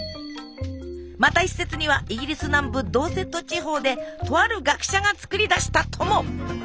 また一説にはイギリス南部ドーセット地方でとある学者が作り出したとも！